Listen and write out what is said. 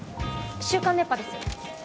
『週刊熱波』です。